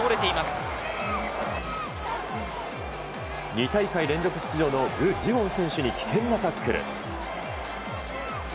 ２大会連続出場のグ・ジウォン選手に危険なタックル。